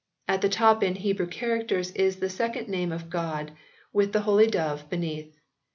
At the top in Hebrew characters is the sacred name of God, with the Holy Dove beneath.